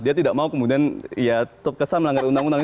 dia tidak mau kemudian kesan melanggar undang undang